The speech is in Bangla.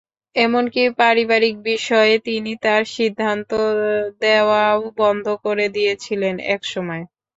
এমনকি পারিবারিক বিষয়ে তিনি তার সিদ্ধান্ত দেওয়াও বন্ধ করে দিয়েছিলেন একসময়।